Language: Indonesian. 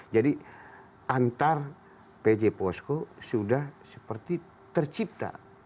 jadi antar pj posko sudah seperti tercipta